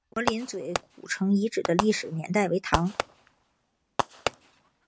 柏林嘴古城遗址的历史年代为唐。